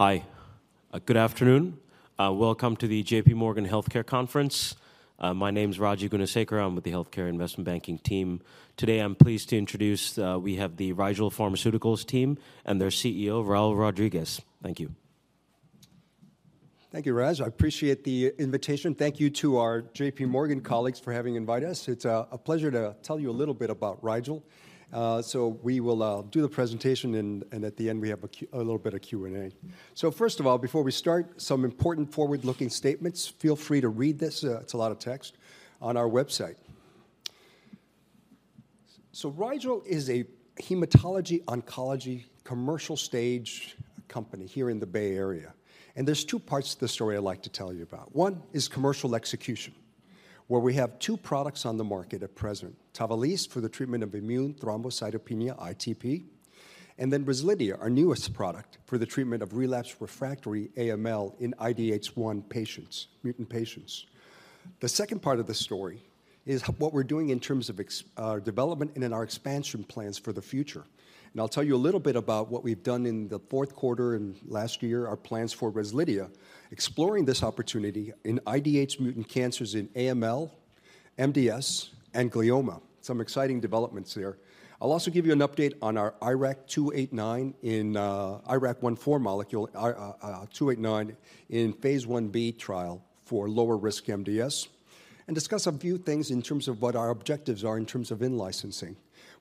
Hi, good afternoon. Welcome to the JPMorgan Healthcare Conference. My name is Raji Gunasekera. I'm with the healthcare investment banking team. Today, I'm pleased to introduce, we have the Rigel Pharmaceuticals team and their CEO, Raul Rodriguez. Thank you. Thank you, Raji. I appreciate the invitation. Thank you to our JPMorgan colleagues for having invited us. It's a pleasure to tell you a little bit about Rigel. So we will do the presentation, and at the end, we have a little bit of Q&A. So first of all, before we start, some important forward-looking statements. Feel free to read this, it's a lot of text, on our website. So Rigel is a hematology-oncology commercial-stage company here in the Bay Area, and there's two parts to the story I'd like to tell you about. One is commercial execution, where we have two products on the market at present: TAVALISSE, for the treatment of immune thrombocytopenia, ITP, and then REZLIDHIA, our newest product, for the treatment of relapsed refractory AML in IDH1 patients, mutant patients. The second part of the story is what we're doing in terms of development and in our expansion plans for the future. I'll tell you a little bit about what we've done in the fourth quarter and last year, our plans for REZLIDHIA, exploring this opportunity in IDH mutant cancers in AML, MDS, and glioma. Some exciting developments there. I'll also give you an update on our R289, an IRAK1/4 molecule, R289, in phase I-B trial for lower-risk MDS, and discuss a few things in terms of what our objectives are in terms of in-licensing,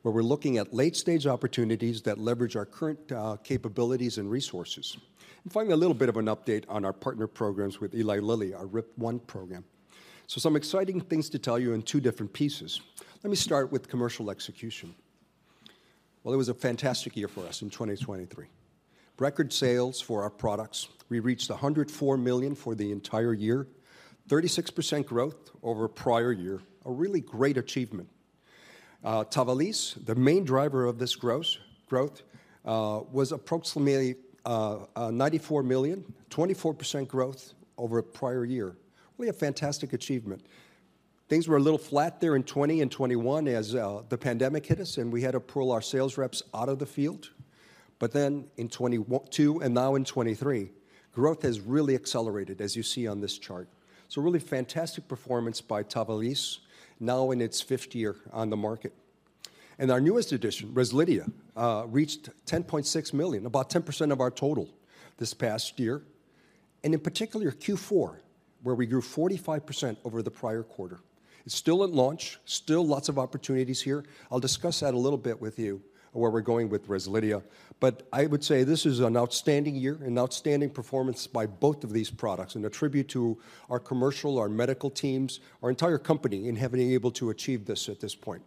where we're looking at late-stage opportunities that leverage our current capabilities and resources. Finally, a little bit of an update on our partner programs with Eli Lilly, our RIP1 program. So some exciting things to tell you in two different pieces. Let me start with commercial execution. Well, it was a fantastic year for us in 2023. Record sales for our products. We reached $104 million for the entire year, 36% growth over prior year, a really great achievement. TAVALISSE, the main driver of this growth, was approximately $94 million, 24% growth over a prior year. We had a fantastic achievement. Things were a little flat there in 2020 and 2021 as the pandemic hit us, and we had to pull our sales reps out of the field. But then in 2022 and now in 2023, growth has really accelerated, as you see on this chart. So really fantastic performance by TAVALISSE, now in its fifth year on the market. Our newest addition, REZLIDHIA, reached $10.6 million, about 10% of our total this past year, and in particular, Q4, where we grew 45% over the prior quarter. It's still at launch, still lots of opportunities here. I'll discuss that a little bit with you, where we're going with REZLIDHIA. But I would say this is an outstanding year and outstanding performance by both of these products, and a tribute to our commercial, our medical teams, our entire company, in having been able to achieve this at this point.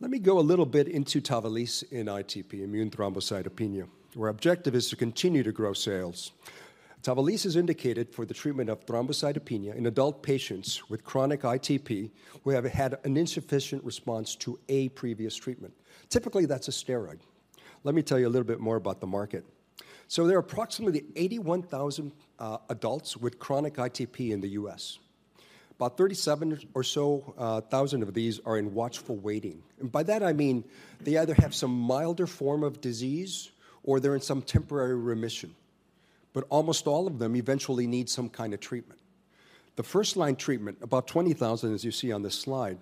Let me go a little bit into TAVALISSE in ITP, immune thrombocytopenia, where our objective is to continue to grow sales. TAVALISSE is indicated for the treatment of thrombocytopenia in adult patients with chronic ITP who have had an insufficient response to a previous treatment. Typically, that's a steroid. Let me tell you a little bit more about the market. So there are approximately 81,000 adults with chronic ITP in the U.S. About 37,000 or so of these are in watchful waiting. And by that, I mean they either have some milder form of disease or they're in some temporary remission, but almost all of them eventually need some kind of treatment. The first-line treatment, about 20,000, as you see on this slide,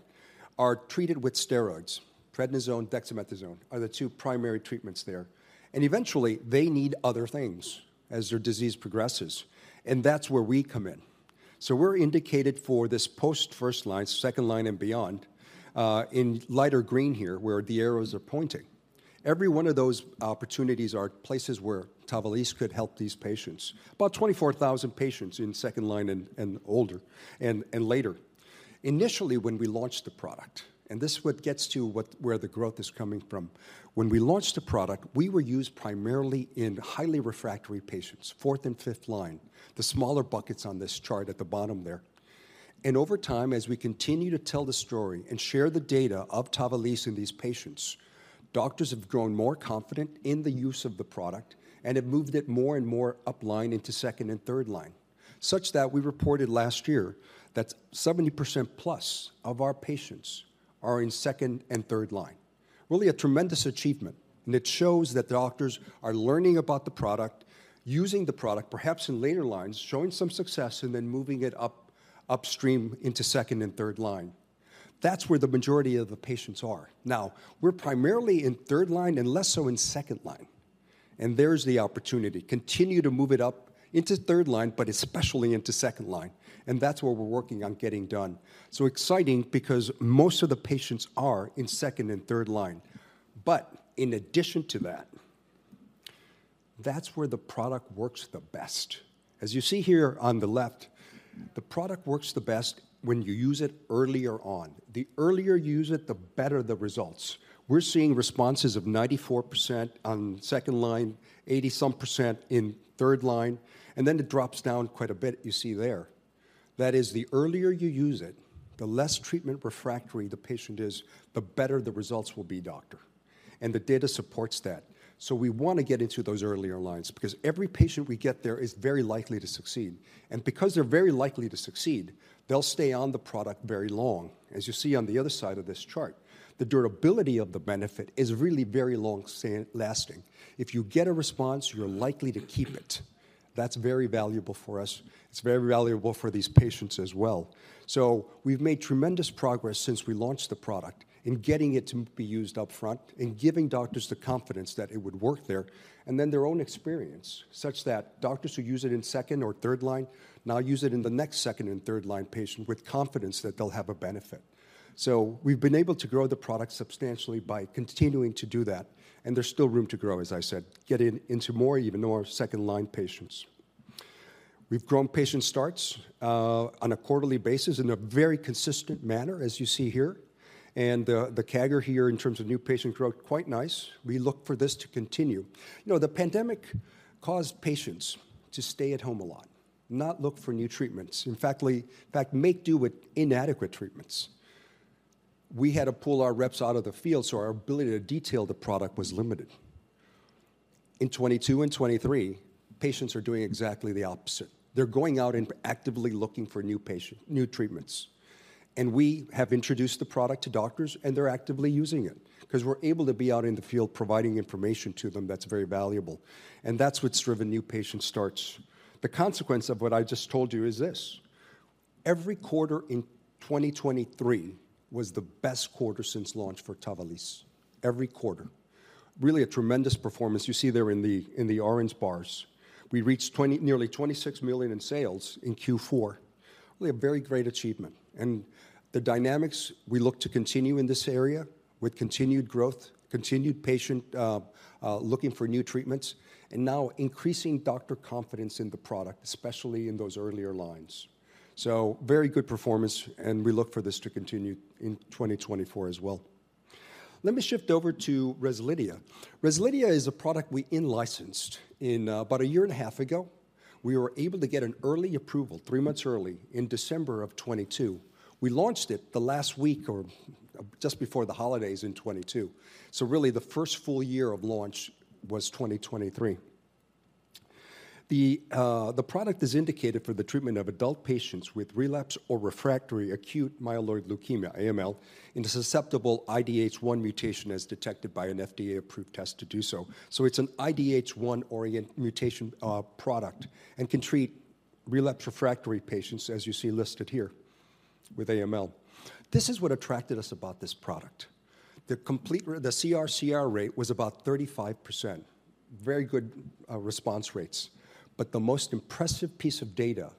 are treated with steroids. Prednisone, dexamethasone are the two primary treatments there, and eventually, they need other things as their disease progresses, and that's where we come in. So we're indicated for this post first line, second line, and beyond, in lighter green here, where the arrows are pointing. Every one of those opportunities are places where TAVALISSE could help these patients, about 24,000 patients in second line and older and later. Initially, when we launched the product, and this is what gets to what, where the growth is coming from. When we launched the product, we were used primarily in highly refractory patients, fourth and fifth line, the smaller buckets on this chart at the bottom there. Over time, as we continue to tell the story and share the data of TAVALISSE in these patients, doctors have grown more confident in the use of the product and have moved it more and more upline into second and third line, such that we reported last year that 70% plus of our patients are in second and third line. Really a tremendous achievement, and it shows that doctors are learning about the product, using the product, perhaps in later lines, showing some success, and then moving it upstream into second and third line. That's where the majority of the patients are. Now, we're primarily in third line and less so in second line, and there's the opportunity: continue to move it up into third line, but especially into second line, and that's what we're working on getting done. So exciting because most of the patients are in second and third line. But in addition to that, that's where the product works the best. As you see here on the left, the product works the best when you use it earlier on. The earlier you use it, the better the results. We're seeing responses of 94% on second line, 80-some% in third line, and then it drops down quite a bit, you see there. That is, the earlier you use it, the less treatment refractory the patient is, the better the results will be, Doctor, and the data supports that. So we want to get into those earlier lines because every patient we get there is very likely to succeed, and because they're very likely to succeed, they'll stay on the product very long. As you see on the other side of this chart, the durability of the benefit is really very long-lasting. If you get a response, you're likely to keep it. That's very valuable for us. It's very valuable for these patients as well. So we've made tremendous progress since we launched the product in getting it to be used upfront, in giving doctors the confidence that it would work there, and then their own experience, such that doctors who use it in second or third line now use it in the next second and third line patient with confidence that they'll have a benefit. So we've been able to grow the product substantially by continuing to do that, and there's still room to grow, as I said, getting into more, even more second-line patients. We've grown patient starts on a quarterly basis in a very consistent manner, as you see here. And the CAGR here in terms of new patient growth, quite nice. We look for this to continue. You know, the pandemic caused patients to stay at home a lot, not look for new treatments, in fact, make do with inadequate treatments. We had to pull our reps out of the field, so our ability to detail the product was limited. In 2022 and 2023, patients are doing exactly the opposite. They're going out and actively looking for new patients, new treatments. And we have introduced the product to doctors, and they're actively using it because we're able to be out in the field providing information to them that's very valuable, and that's what's driven new patient starts. The consequence of what I just told you is this: every quarter in 2023 was the best quarter since launch for TAVALISSE, every quarter. Really a tremendous performance. You see there in the orange bars, we reached nearly $26 million in sales in Q4. Really a very great achievement, and the dynamics, we look to continue in this area with continued growth, continued patient looking for new treatments, and now increasing doctor confidence in the product, especially in those earlier lines. So very good performance, and we look for this to continue in 2024 as well. Let me shift over to REZLIDHIA. REZLIDHIA is a product we in-licensed in about a year and a half ago. We were able to get an early approval, three months early, in December of 2022. We launched it the last week or just before the holidays in 2022. So really, the first full year of launch was 2023. The product is indicated for the treatment of adult patients with relapsed or refractory acute myeloid leukemia, AML, with a susceptible IDH1 mutation as detected by an FDA-approved test. So it's an IDH1 inhibitor product and can treat relapsed or refractory patients, as you see listed here, with AML. This is what attracted us about this product. The complete CR rate was about 35%. Very good response rates. But the most impressive piece of data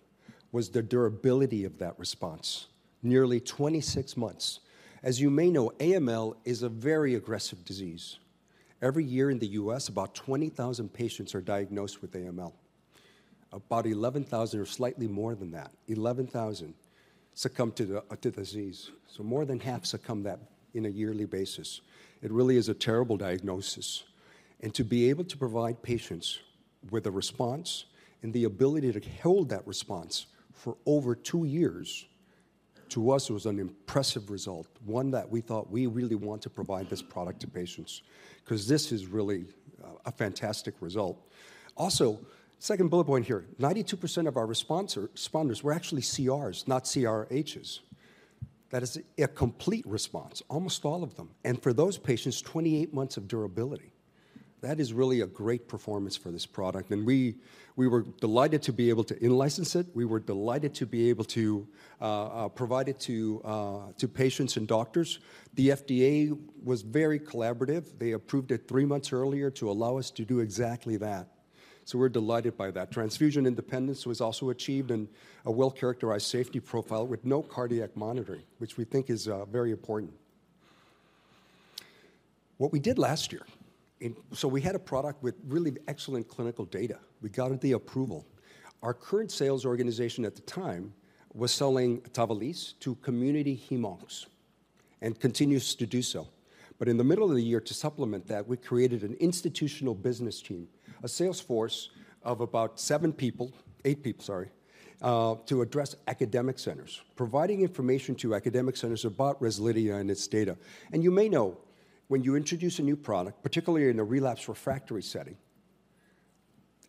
was the durability of that response, nearly 26 months. As you may know, AML is a very aggressive disease. Every year in the U.S., about 20,000 patients are diagnosed with AML. About 11,000 or slightly more than that, 11,000, succumb to the disease. So more than half succumb to it on a yearly basis. It really is a terrible diagnosis, and to be able to provide patients with a response and the ability to hold that response for over two years, to us, it was an impressive result, one that we thought we really want to provide this product to patients, because this is really a fantastic result. Also, second bullet point here, 92% of our responders were actually CRs, not CRHs. That is a complete response, almost all of them. And for those patients, 28 months of durability. That is really a great performance for this product, and we, we were delighted to be able to in-license it. We were delighted to be able to provide it to patients and doctors. The FDA was very collaborative. They approved it three months earlier to allow us to do exactly that. So we're delighted by that. Transfusion independence was also achieved in a well-characterized safety profile with no cardiac monitoring, which we think is, very important. What we did last year. So we had a product with really excellent clinical data. We got it the approval. Our current sales organization at the time was selling TAVALISSE to community hem-oncs, and continues to do so. But in the middle of the year, to supplement that, we created an institutional business team, a sales force of about seven people, eight people, to address academic centers, providing information to academic centers about REZLIDHIA and its data. And you may know, when you introduce a new product, particularly in a relapse refractory setting,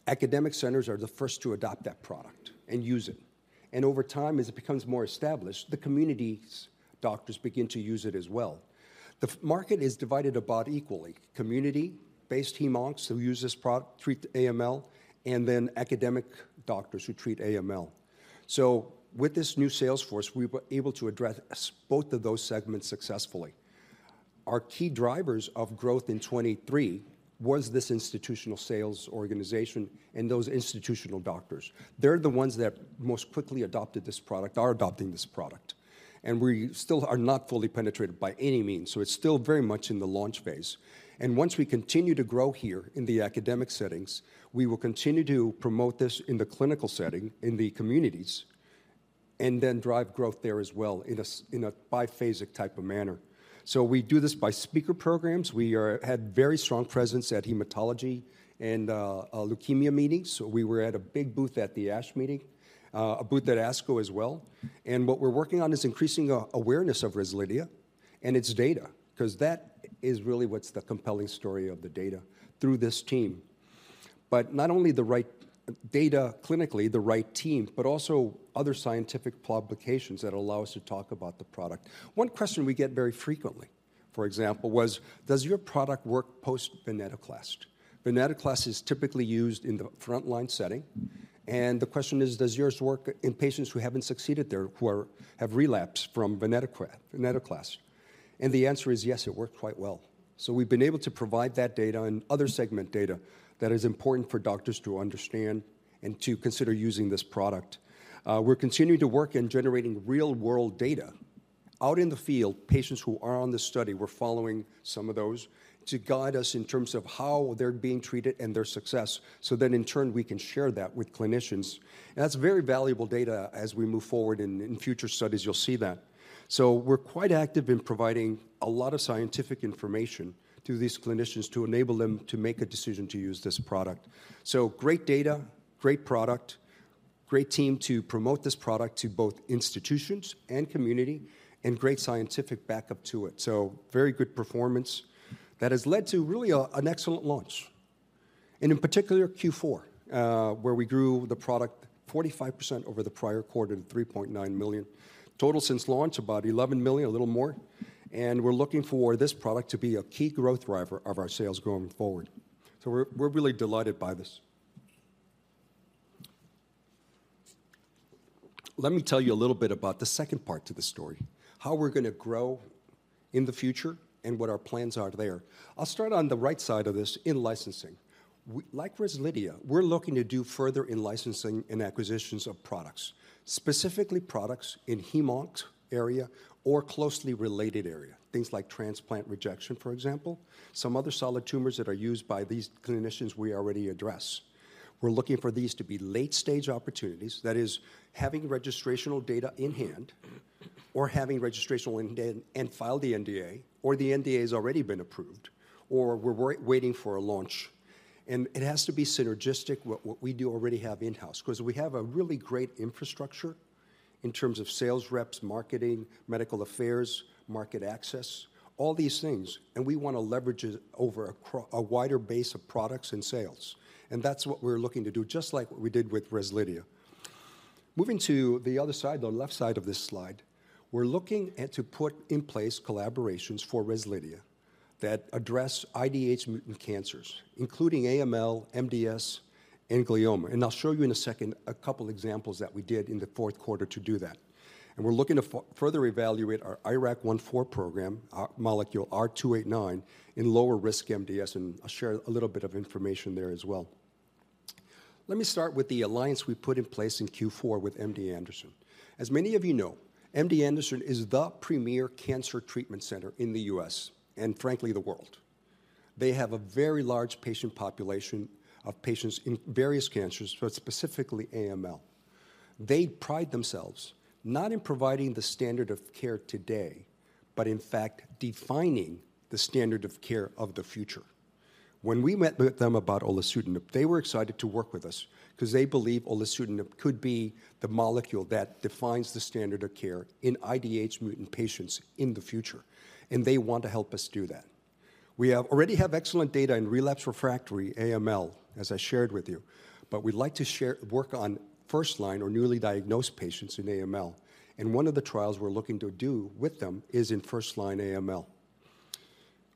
academic centers are the first to adopt that product and use it. And over time, as it becomes more established, the community's doctors begin to use it as well. The market is divided about equally, community-based hem-oncs who use this product, treat the AML, and then academic doctors who treat AML. So with this new sales force, we were able to address both of those segments successfully. Our key drivers of growth in 2023 was this institutional sales organization and those institutional doctors. They're the ones that most quickly adopted this product, are adopting this product, and we still are not fully penetrated by any means, so it's still very much in the launch phase. And once we continue to grow here in the academic settings, we will continue to promote this in the clinical setting, in the communities, and then drive growth there as well in a in a biphasic type of manner. So we do this by speaker programs. We had very strong presence at hematology and leukemia meetings. So we were at a big booth at the ASH meeting, a booth at ASCO as well. And what we're working on is increasing awareness of REZLIDHIA and its data, 'cause that is really what's the compelling story of the data through this team. But not only the right data, clinically, the right team, but also other scientific publications that allow us to talk about the product. One question we get very frequently, for example, was, "Does your product work post-venetoclax?" Venetoclax is typically used in the frontline setting, and the question is, does yours work in patients who haven't succeeded there, who are, have relapsed from venetoclax, venetoclax? And the answer is yes, it worked quite well. So we've been able to provide that data and other segment data that is important for doctors to understand and to consider using this product. We're continuing to work in generating real-world data. Out in the field, patients who are on this study, we're following some of those to guide us in terms of how they're being treated and their success, so then in turn, we can share that with clinicians. That's very valuable data as we move forward, and in future studies, you'll see that. So we're quite active in providing a lot of scientific information to these clinicians to enable them to make a decision to use this product. So great data, great product, great team to promote this product to both institutions and community, and great scientific backup to it. So very good performance that has led to really an excellent launch. And in particular, Q4, where we grew the product 45% over the prior quarter to $3.9 million. Total since launch, about $11 million, a little more, and we're looking for this product to be a key growth driver of our sales going forward. So we're, we're really delighted by this. Let me tell you a little bit about the second part to the story, how we're going to grow in the future and what our plans are there. I'll start on the right side of this, in-licensing. We, like REZLIDHIA, we're looking to do further in-licensing and acquisitions of products, specifically products in hemat area or closely related area, things like transplant rejection, for example, some other solid tumors that are used by these clinicians we already address. We're looking for these to be late-stage opportunities, that is, having registrational data in hand or having registrational and then, and file the NDA, or the NDA has already been approved, or we're waiting for a launch. It has to be synergistic with what we do already have in-house, 'cause we have a really great infrastructure in terms of sales reps, marketing, medical affairs, market access, all these things, and we want to leverage it over a wider base of products and sales. That's what we're looking to do, just like what we did with REZLIDHIA. Moving to the other side, the left side of this slide, we're looking at to put in place collaborations for REZLIDHIA that address IDH mutant cancers, including AML, MDS, and glioma. I'll show you in a second a couple examples that we did in the fourth quarter to do that. We're looking to further evaluate our IRAK1/4 program, our molecule R289, in lower-risk MDS, and I'll share a little bit of information there as well. Let me start with the alliance we put in place in Q4 with MD Anderson. As many of you know, MD Anderson is the premier cancer treatment center in the U.S., and frankly, the world. They have a very large patient population of patients in various cancers, but specifically AML. They pride themselves not in providing the standard of care today, but in fact, defining the standard of care of the future. When we met with them about REZLIDHIA, they were excited to work with us 'cause they believe REZLIDHIA could be the molecule that defines the standard of care in IDH mutant patients in the future, and they want to help us do that. We already have excellent data in relapsed refractory AML, as I shared with you, but we'd like to work on first-line or newly diagnosed patients in AML. One of the trials we're looking to do with them is in first-line AML.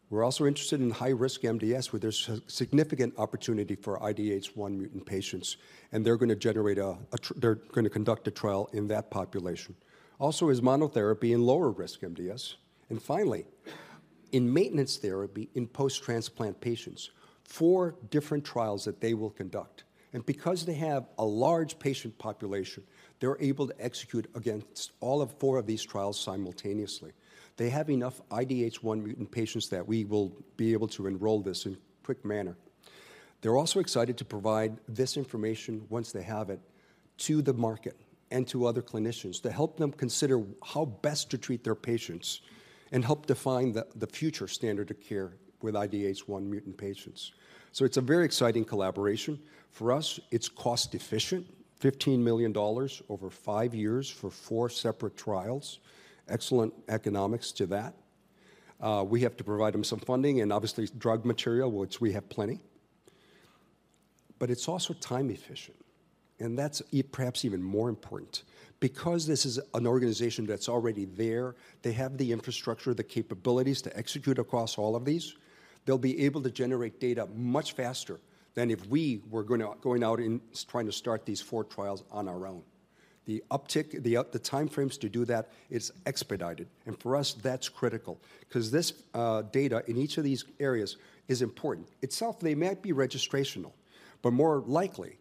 We're also interested in high-risk MDS, where there's significant opportunity for IDH1 mutant patients, and they're going to conduct a trial in that population. Also, as monotherapy in lower-risk MDS, and finally, in maintenance therapy in post-transplant patients, four different trials that they will conduct. Because they have a large patient population, they're able to execute against all of four of these trials simultaneously. They have enough IDH1 mutant patients that we will be able to enroll this in quick manner. They're also excited to provide this information once they have it, to the market and to other clinicians, to help them consider how best to treat their patients and help define the future standard of care with IDH1 mutant patients. It's a very exciting collaboration. For us, it's cost-efficient, $15 million over five years for four separate trials. Excellent economics to that. We have to provide them some funding and obviously drug material, which we have plenty. But it's also time-efficient, and that's perhaps even more important. Because this is an organization that's already there, they have the infrastructure, the capabilities to execute across all of these, they'll be able to generate data much faster than if we were going to, going out and trying to start these four trials on our own. The time frames to do that is expedited, and for us, that's critical, 'cause this, data in each of these areas is important. Itself, they might be registrational, but more likely,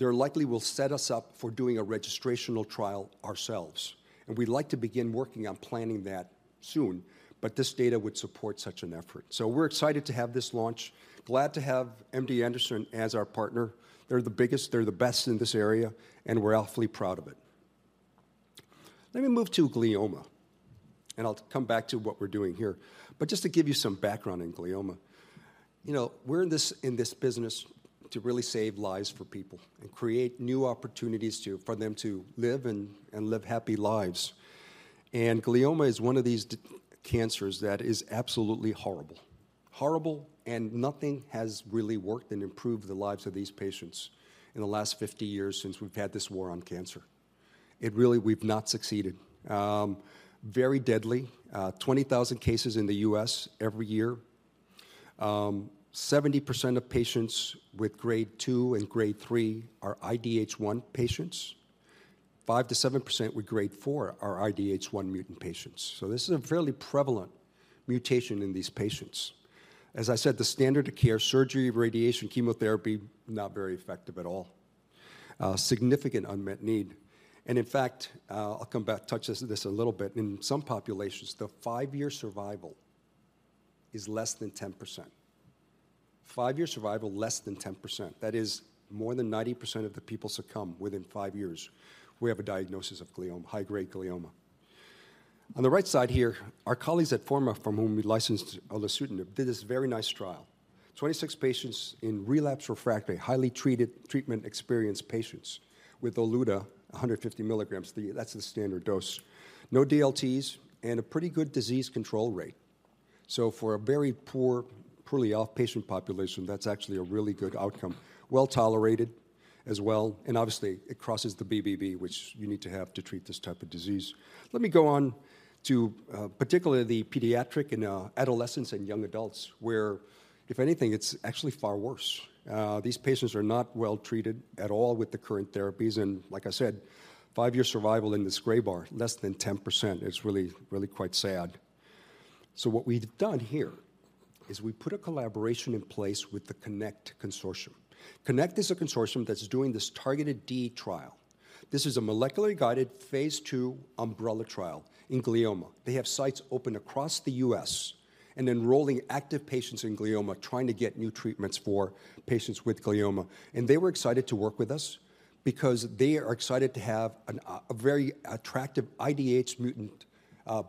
they're likely will set us up for doing a registrational trial ourselves, and we'd like to begin working on planning that soon, but this data would support such an effort. So we're excited to have this launch. Glad to have MD Anderson as our partner. They're the biggest, they're the best in this area, and we're awfully proud of it. Let me move to glioma, and I'll come back to what we're doing here. But just to give you some background in glioma, you know, we're in this, in this business to really save lives for people and create new opportunities to, for them to live and, and live happy lives. And glioma is one of these deadly cancers that is absolutely horrible. Horrible, and nothing has really worked and improved the lives of these patients in the last 50 years since we've had this war on cancer. We've not succeeded. Very deadly, 20,000 cases in the U.S. every year. 70% of patients with grade 2 and grade 3 are IDH1 patients. 5%-7% with grade 4 are IDH1 mutant patients. So this is a fairly prevalent mutation in these patients. As I said, the standard of care, surgery, radiation, chemotherapy, not very effective at all. Significant unmet need, and in fact, I'll come back, touch this, this a little bit. In some populations, the five-year survival is less than 10%. five-year survival, less than 10%. That is, more than 90% of the people succumb within five years, who have a diagnosis of glioma, high-grade glioma. On the right side here, our colleagues at Forma, from whom we licensed olutasidenib, did this very nice trial. 26 patients in relapse/refractory, highly treated, treatment-experienced patients with olutasidenib, 150 milligrams, the-- that's the standard dose. No DLTs and a pretty good disease control rate. So for a very poor, poorly off patient population, that's actually a really good outcome. Well-tolerated as well, and obviously, it crosses the BBB, which you need to have to treat this type of disease. Let me go on to particularly the pediatric and adolescents and young adults, where, if anything, it's actually far worse. These patients are not well treated at all with the current therapies, and like I said, five-year survival in this gray bar, less than 10%. It's really, really quite sad. So what we've done here is we put a collaboration in place with the CONNECT Consortium. CONNECT is a consortium that's doing this Targeted Therapy trial. This is a molecularly guided phase II umbrella trial in glioma. They have sites open across the U.S. and enrolling active patients in glioma, trying to get new treatments for patients with glioma. And they were excited to work with us because they are excited to have a very attractive IDH mutant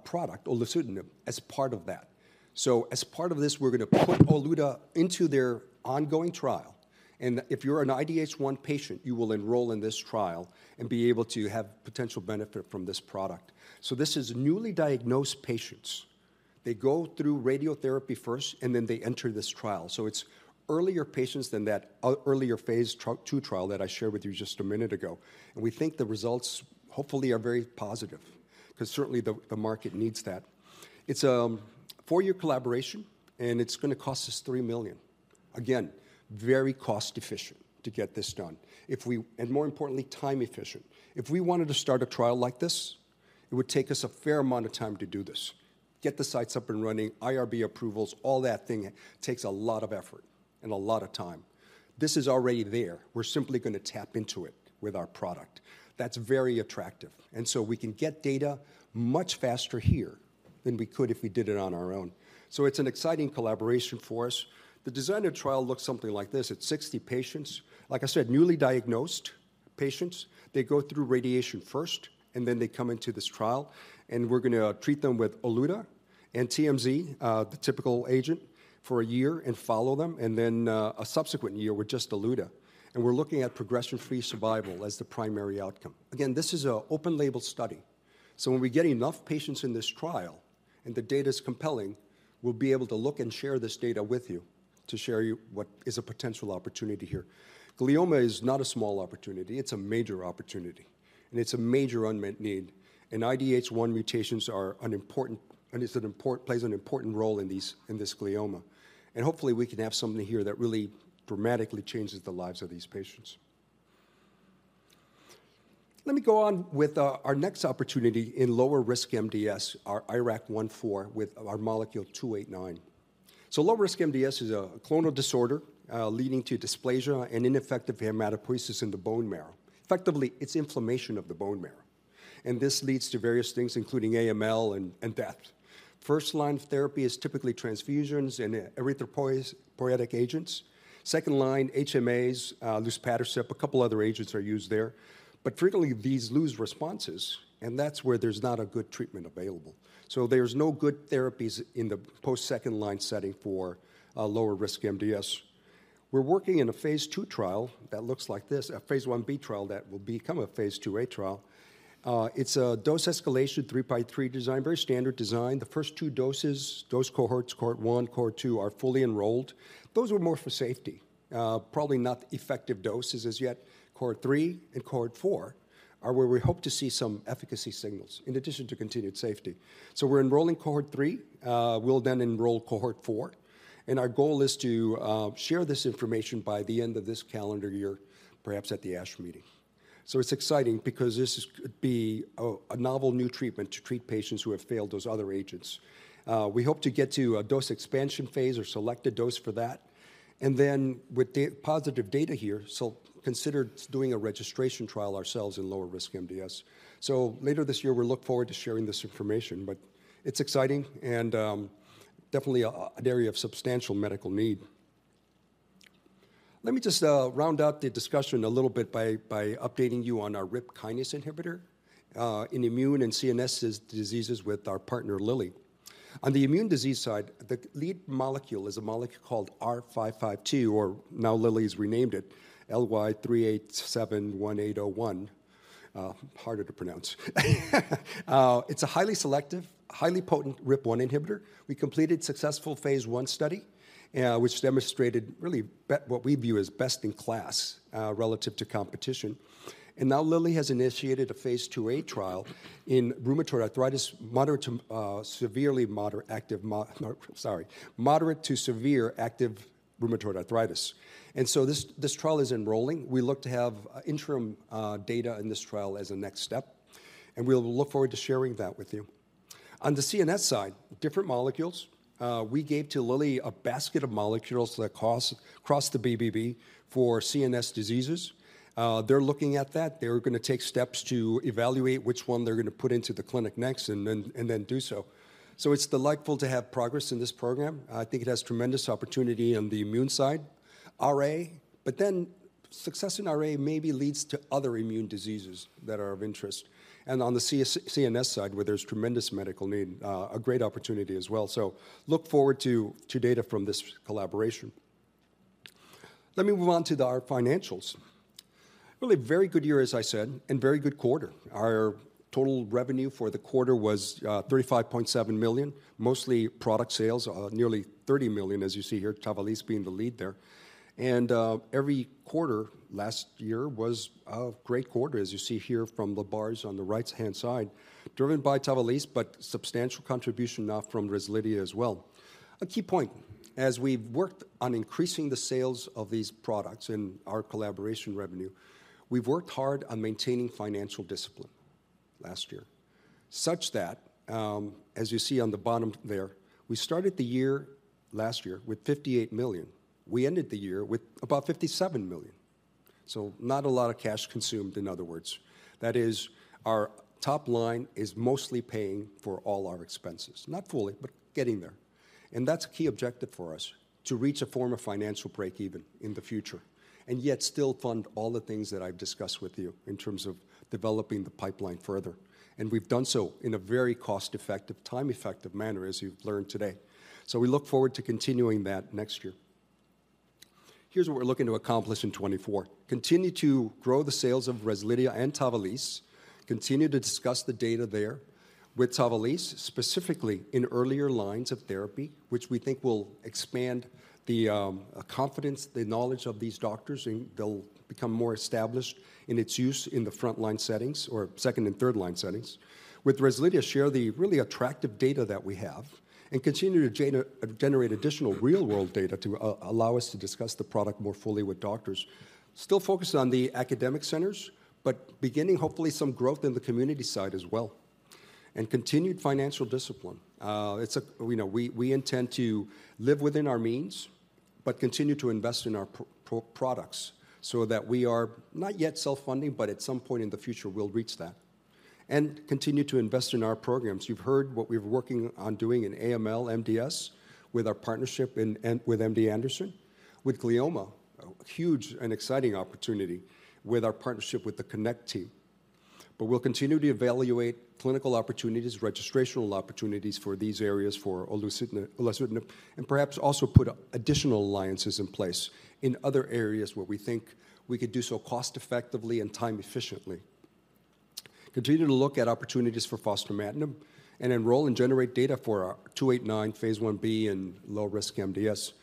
product, olutasidenib, as part of that. So as part of this, we're going to put Oluta into their ongoing trial, and if you're an IDH1 patient, you will enroll in this trial and be able to have potential benefit from this product. So this is newly diagnosed patients. They go through radiotherapy first, and then they enter this trial. So it's earlier patients than that earlier phase II trial that I shared with you just a minute ago. And we think the results, hopefully, are very positive, 'cause certainly the market needs that. It's a four-year collaboration, and it's gonna cost us $3 million. Again, very cost-efficient to get this done. And more importantly, time-efficient. If we wanted to start a trial like this, it would take us a fair amount of time to do this, get the sites up and running, IRB approvals, all that thing. It takes a lot of effort and a lot of time. This is already there. We're simply gonna tap into it with our product. That's very attractive, and so we can get data much faster here than we could if we did it on our own. So it's an exciting collaboration for us. The design of the trial looks something like this. It's 60 patients, like I said, newly diagnosed patients. They go through radiation first, and then they come into this trial, and we're gonna treat them with olutasidenib and TMZ, the typical agent, for a year and follow them, and then a subsequent year with just olutasidenib. And we're looking at progression-free survival as the primary outcome. Again, this is an open-label study, so when we get enough patients in this trial and the data's compelling, we'll be able to look and share this data with you to show you what is a potential opportunity here. Glioma is not a small opportunity. It's a major opportunity, and it's a major unmet need. IDH1 mutations are an important and it plays an important role in these, in this glioma. Hopefully, we can have something here that really dramatically changes the lives of these patients. Let me go on with our next opportunity in lower-risk MDS, our IRAK1/4, with our molecule 289. Low-risk MDS is a clonal disorder, leading to dysplasia and ineffective hematopoiesis in the bone marrow. Effectively, it's inflammation of the bone marrow, and this leads to various things, including AML and death. First-line therapy is typically transfusions and erythropoietic agents. Second line, HMAs, luspatercept, a couple other agents are used there. But frequently, these lose responses, and that's where there's not a good treatment available. There's no good therapies in the post-second line setting for lower-risk MDS. We're working in a phase II trial that looks like this, a phase I-B trial that will become a phase II-A trial. It's a dose escalation, three-by-three design, very standard design. The first two doses, dose cohorts, Cohort I, Cohort II, are fully enrolled. Those were more for safety, probably not effective doses as yet. Cohort III and Cohort IV are where we hope to see some efficacy signals in addition to continued safety. So we're enrolling Cohort III. We'll then enroll Cohort IV, and our goal is to share this information by the end of this calendar year, perhaps at the ASH meeting. So it's exciting because this could be a novel new treatment to treat patients who have failed those other agents. We hope to get to a dose expansion phase or select a dose for that, and then with positive data here, so consider doing a registration trial ourselves in lower-risk MDS. So later this year, we look forward to sharing this information, but it's exciting and definitely an area of substantial medical need. Let me just round out the discussion a little bit by updating you on our RIP kinase inhibitor in immune and CNS diseases with our partner, Lilly. On the immune disease side, the lead molecule is a molecule called R552, or now Lilly's renamed it LY3871801, harder to pronounce. It's a highly selective, highly potent RIP1 inhibitor. We completed successful phase one study, which demonstrated really what we view as best in class relative to competition. And now Lilly has initiated a phase II-A trial in rheumatoid arthritis, moderate to severe active rheumatoid arthritis. And so this trial is enrolling. We look to have interim data in this trial as a next step, and we'll look forward to sharing that with you. On the CNS side, different molecules. We gave to Lilly a basket of molecules that cross the BBB for CNS diseases. They're looking at that. They're gonna take steps to evaluate which one they're gonna put into the clinic next, and then do so. So it's delightful to have progress in this program. I think it has tremendous opportunity on the immune side, RA, but then success in RA maybe leads to other immune diseases that are of interest. And on the CNS side, where there's tremendous medical need, a great opportunity as well. So look forward to data from this collaboration. Let me move on to our financials. Really a very good year, as I said, and very good quarter. Our total revenue for the quarter was $35.7 million, mostly product sales, nearly $30 million, as you see here, TAVALISSE being the lead there. And every quarter last year was a great quarter, as you see here from the bars on the right-hand side, driven by TAVALISSE, but substantial contribution now from REZLIDHIA as well. A key point, as we've worked on increasing the sales of these products and our collaboration revenue, we've worked hard on maintaining financial discipline last year, such that, as you see on the bottom there, we started the year last year with $58 million. We ended the year with about $57 million, so not a lot of cash consumed, in other words. That is, our top line is mostly paying for all our expenses. Not fully, but getting there. And that's a key objective for us, to reach a form of financial break even in the future, and yet still fund all the things that I've discussed with you in terms of developing the pipeline further, and we've done so in a very cost-effective, time-effective manner, as you've learned today. So we look forward to continuing that next year. Here's what we're looking to accomplish in 2024: Continue to grow the sales of REZLIDHIA and TAVALISSE, continue to discuss the data there with TAVALISSE, specifically in earlier lines of therapy, which we think will expand the confidence, the knowledge of these doctors, and they'll become more established in its use in the frontline settings or second- and third-line settings. With REZLIDHIA, share the really attractive data that we have and continue to generate additional real-world data to allow us to discuss the product more fully with doctors. Still focused on the academic centers, but beginning hopefully some growth in the community side as well. And continued financial discipline. It's a... You know, we intend to live within our means, but continue to invest in our products so that we are not yet self-funding, but at some point in the future, we'll reach that. And continue to invest in our programs. You've heard what we're working on doing in AML, MDS, with our partnership with MD Anderson, with glioma, a huge and exciting opportunity with our partnership with the CONNECT team. But we'll continue to evaluate clinical opportunities, registrational opportunities for these areas, for REZLIDHIA—REZLIDHIA, and perhaps also put additional alliances in place in other areas where we think we could do so cost-effectively and time efficiently. Continue to look at opportunities for fostamatinib and enroll and generate data for our R289 phase I-B and low-risk MDS.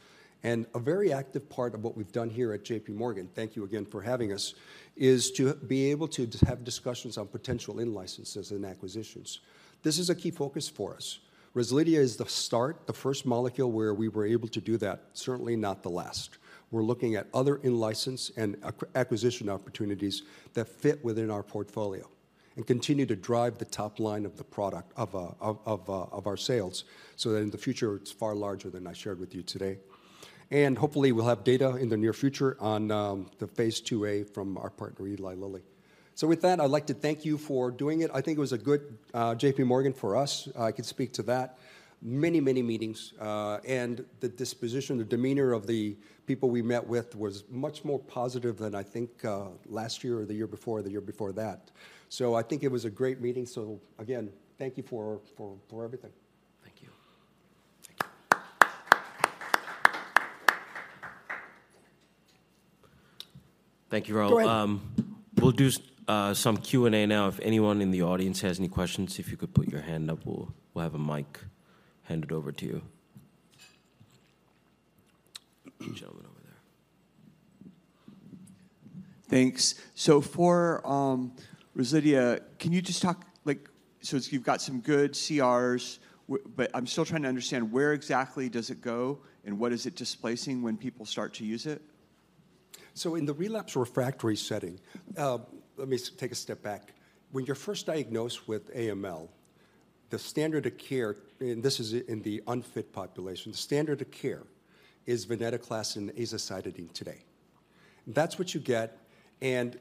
And a very active part of what we've done here at JPMorgan, thank you again for having us, is to be able to have discussions on potential in-licenses and acquisitions. This is a key focus for us. REZLIDHIA is the start, the first molecule where we were able to do that, certainly not the last. We're looking at other in-license and acquisition opportunities that fit within our portfolio and continue to drive the top line of the product of our sales, so that in the future, it's far larger than I shared with you today. And hopefully, we'll have data in the near future on the phase II-A from our partner, Eli Lilly. So with that, I'd like to thank you for doing it. I think it was a good JPMorgan for us. I could speak to that. Many, many meetings and the disposition, the demeanor of the people we met with was much more positive than I think last year or the year before, or the year before that. So I think it was a great meeting. So again, thank you for everything. Thank you. Thank you. Thank you, Raul. Go ahead. We'll do some Q&A now. If anyone in the audience has any questions, if you could put your hand up, we'll have a mic handed over to you. A gentleman over there. Thanks. So for REZLIDHIA, can you just talk, like... So you've got some good CRs, but I'm still trying to understand where exactly does it go, and what is it displacing when people start to use it? So in the relapse refractory setting, let me take a step back. When you're first diagnosed with AML, the standard of care, and this is in the unfit population, the standard of care is venetoclax and azacitidine today. That's what you get, and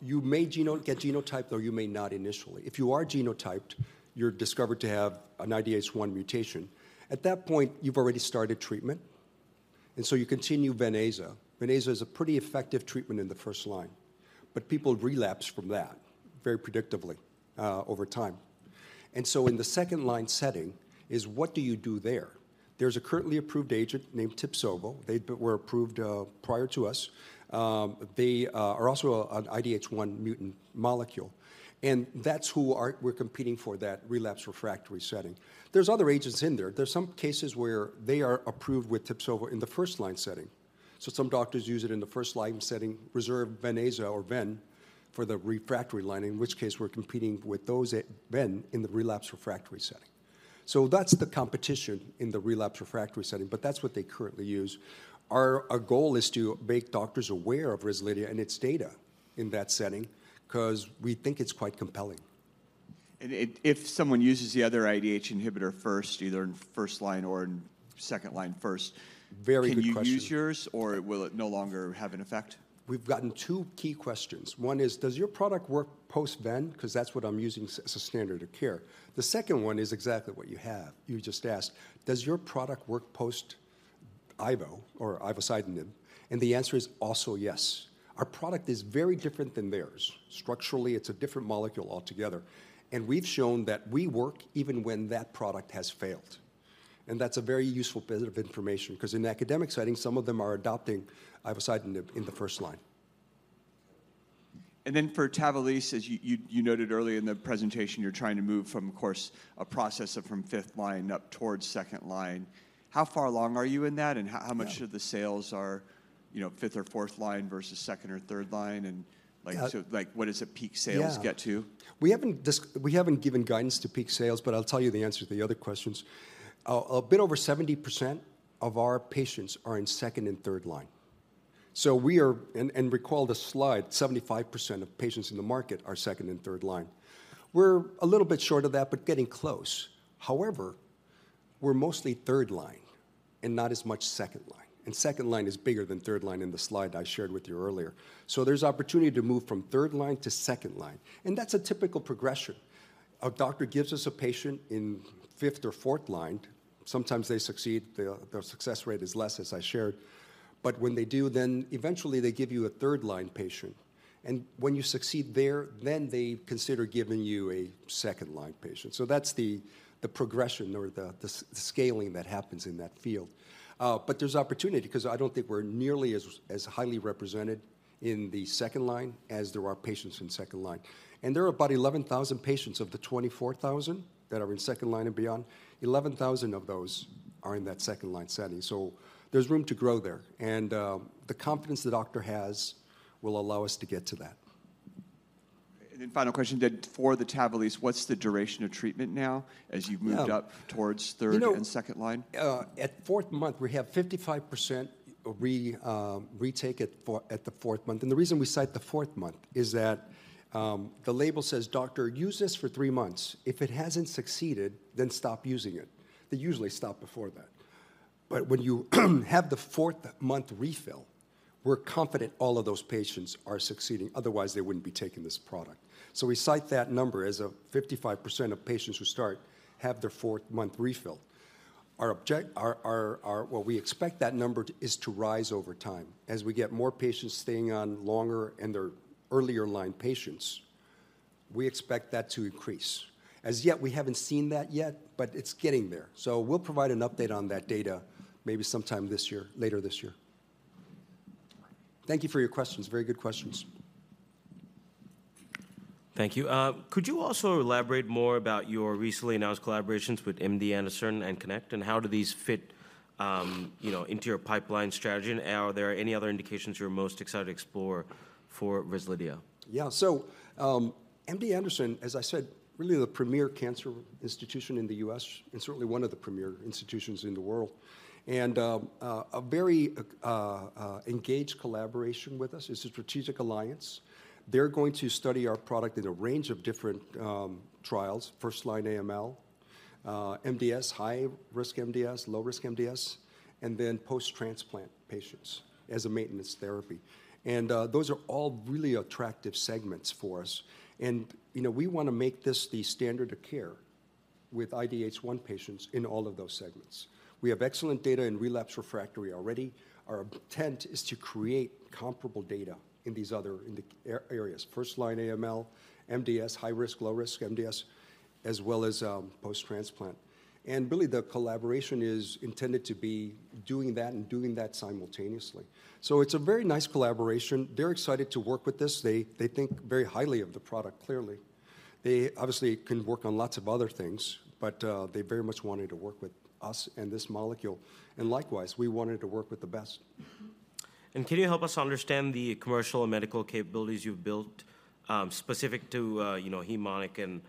you may get genotyped, or you may not initially. If you are genotyped, you're discovered to have an IDH1 mutation. At that point, you've already started treatment, and so you continue venetoclax. Venetoclax is a pretty effective treatment in the first line, but people relapse from that very predictably over time. And so in the second-line setting is, what do you do there?...There's a currently approved agent named TIBSOVO. They were approved prior to us. They are also an IDH1 mutant molecule, and that's who we're competing for that relapsed refractory setting. There's other agents in there. There's some cases where they are approved with TIBSOVO in the first-line setting. So some doctors use it in the first-line setting, reserve venetoclax or venetoclax for the refractory line, in which case we're competing with those at venetoclax in the relapsed refractory setting. So that's the competition in the relapsed refractory setting, but that's what they currently use. Our goal is to make doctors aware of REZLIDHIA and its data in that setting 'cause we think it's quite compelling. If someone uses the other IDH inhibitor first, either in first line or in second line first- Very good question. Can you use yours, or will it no longer have an effect? We've gotten two key questions. One is, "Does your product work post-Ven? 'Cause that's what I'm using as a standard of care." The second one is exactly what you have—you just asked: "Does your product work post-ivo or ivosidenib?" The answer is also yes. Our product is very different than theirs. Structurally, it's a different molecule altogether, and we've shown that we work even when that product has failed. That's a very useful bit of information 'cause in academic setting, some of them are adopting ivosidenib in the first line. Then for TAVALISSE, as you noted earlier in the presentation, you're trying to move from, of course, a process of from fifth line up towards second line. How far along are you in that, and how- Yeah... how much of the sales are, you know, fifth or fourth line versus second or third line, and, like- Uh- So, like, what does the peak sales get to? Yeah. We haven't given guidance to peak sales, but I'll tell you the answer to the other questions. A bit over 70% of our patients are in second and third line. So we are and recall the slide, 75% of patients in the market are second and third line. We're a little bit short of that, but getting close. However, we're mostly third line and not as much second line, and second line is bigger than third line in the slide I shared with you earlier. So there's opportunity to move from third line to second line, and that's a typical progression. A doctor gives us a patient in fifth or fourth line. Sometimes they succeed. The success rate is less, as I shared. But when they do, then eventually they give you a third-line patient, and when you succeed there, then they consider giving you a second-line patient. So that's the progression or the scaling that happens in that field. But there's opportunity 'cause I don't think we're nearly as highly represented in the second line as there are patients in second line. And there are about 11,000 patients of the 24,000 that are in second line and beyond. 11,000 of those are in that second-line setting, so there's room to grow there. And the confidence the doctor has will allow us to get to that. And then final question, then for the TAVALISSE, what's the duration of treatment now, as you've moved up- Yeah... towards third and second line? You know, at fourth month, we have 55% retake at the fourth month. The reason we cite the fourth month is that, the label says, "Doctor, use this for 3 months. If it hasn't succeeded, then stop using it." They usually stop before that. But when you have the fourth-month refill, we're confident all of those patients are succeeding, otherwise they wouldn't be taking this product. So we cite that number as 55% of patients who start have their fourth-month refill. Our objective, what we expect that number to, is to rise over time. As we get more patients staying on longer and they're earlier-line patients, we expect that to increase. As yet, we haven't seen that yet, but it's getting there. So we'll provide an update on that data maybe sometime this year, later this year. Thank you for your questions. Very good questions. Thank you. Could you also elaborate more about your recently announced collaborations with MD Anderson and CONNECT, and how do these fit, you know, into your pipeline strategy? And are there any other indications you're most excited to explore for REZLIDHIA? Yeah. So, MD Anderson, as I said, really the premier cancer institution in the U.S. and certainly one of the premier institutions in the world. And a very engaged collaboration with us. It's a strategic alliance. They're going to study our product in a range of different trials: first-line AML, MDS, high-risk MDS, low-risk MDS, and then post-transplant patients as a maintenance therapy. And those are all really attractive segments for us. And, you know, we wanna make this the standard of care with IDH1 patients in all of those segments. We have excellent data in relapsed refractory already. Our intent is to create comparable data in these other, in the areas: first line AML, MDS, high-risk, low-risk MDS, as well as post-transplant. And really, the collaboration is intended to be doing that and doing that simultaneously. It's a very nice collaboration. They're excited to work with us. They think very highly of the product, clearly. They obviously can work on lots of other things, but they very much wanted to work with us and this molecule, and likewise, we wanted to work with the best. Can you help us understand the commercial and medical capabilities you've built, specific to, you know, hem-oncs and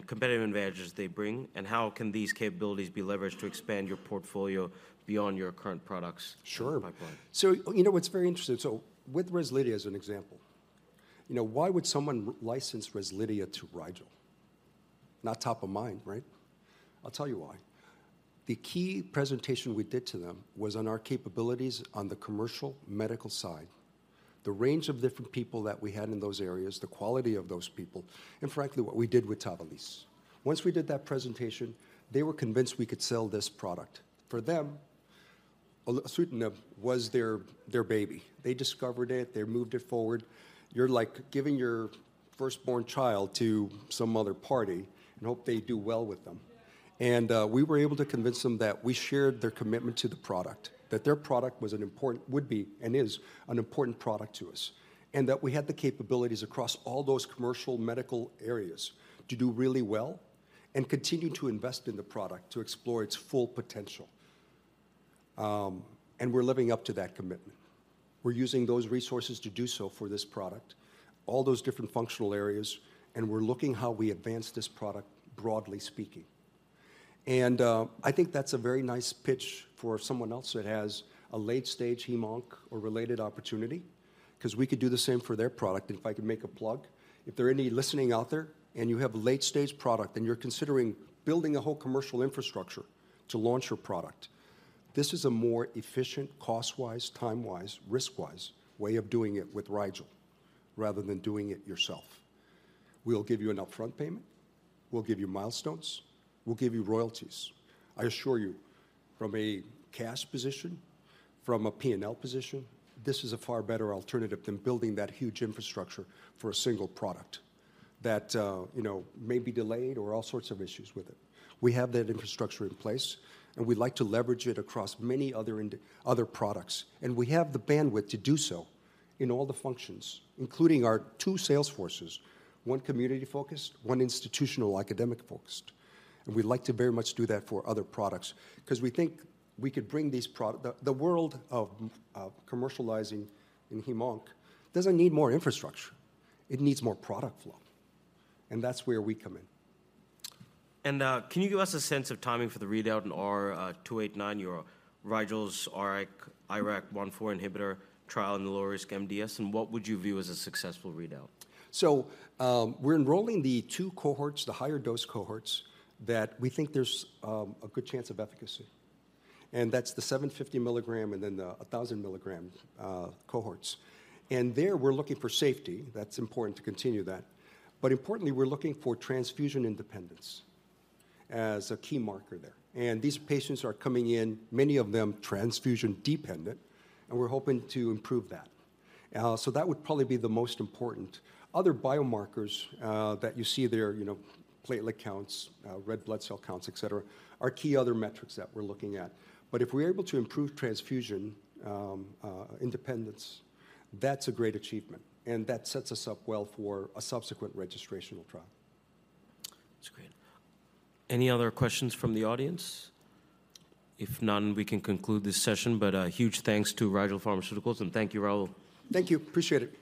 competitive advantages they bring? And how can these capabilities be leveraged to expand your portfolio beyond your current products- Sure. - pipeline? So, you know, it's very interesting. So with REZLIDHIA as an example, you know, why would someone license REZLIDHIA to Rigel? Not top of mind, right? I'll tell you why. The key presentation we did to them was on our capabilities on the commercial medical side, the range of different people that we had in those areas, the quality of those people, and frankly, what we did with TAVALISSE. Once we did that presentation, they were convinced we could sell this product. For them, olutasidenib was their baby. They discovered it, they moved it forward. You're like giving your firstborn child to some other party and hope they do well with them. And we were able to convince them that we shared their commitment to the product, that their product was an important—would be, and is, an important product to us, and that we had the capabilities across all those commercial medical areas to do really well and continue to invest in the product to explore its full potential. And we're living up to that commitment. We're using those resources to do so for this product, all those different functional areas, and we're looking how we advance this product, broadly speaking. And I think that's a very nice pitch for someone else that has a late-stage hem-onc or related opportunity, 'cause we could do the same for their product. If I could make a plug, if there are any listening out there, and you have a late-stage product, and you're considering building a whole commercial infrastructure to launch your product, this is a more efficient cost-wise, time-wise, risk-wise way of doing it with Rigel rather than doing it yourself. We'll give you an upfront payment. We'll give you milestones. We'll give you royalties. I assure you, from a cash position, from a P&L position, this is a far better alternative than building that huge infrastructure for a single product that, you know, may be delayed or all sorts of issues with it. We have that infrastructure in place, and we'd like to leverage it across many other products, and we have the bandwidth to do so in all the functions, including our two sales forces, one community-focused, one institutional, academic-focused. And we'd like to very much do that for other products 'cause we think we could bring these. The world of commercializing in hem-onc doesn't need more infrastructure. It needs more product flow, and that's where we come in. Can you give us a sense of timing for the readout in R289, your Rigel's IRAK1/4 inhibitor trial in the lower-risk MDS, and what would you view as a successful readout? So, we're enrolling the two cohorts, the higher-dose cohorts, that we think there's a good chance of efficacy, and that's the 750 milligram and then the 1,000 milligram cohorts. And there, we're looking for safety. That's important to continue that. But importantly, we're looking for transfusion independence as a key marker there. And these patients are coming in, many of them transfusion-dependent, and we're hoping to improve that. So that would probably be the most important. Other biomarkers that you see there, you know, platelet counts, red blood cell counts, et cetera, are key other metrics that we're looking at. But if we're able to improve transfusion independence, that's a great achievement, and that sets us up well for a subsequent registrational trial. That's great. Any other questions from the audience? If none, we can conclude this session, but a huge thanks to Rigel Pharmaceuticals, and thank you, Raul. Thank you. Appreciate it.